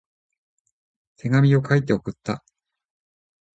手紙を書いて送った。